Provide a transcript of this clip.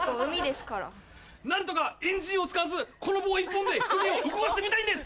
何とかエンジンを使わずこの棒１本で船を動かしてみたいんです！